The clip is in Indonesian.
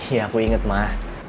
iya aku inget mah